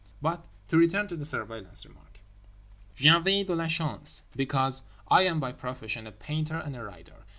—But to return to the Surveillants remark. J'avais de la chance. Because I am by profession a painter and a writer.